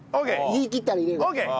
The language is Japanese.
言いきったら入れるから。